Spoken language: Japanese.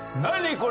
これ。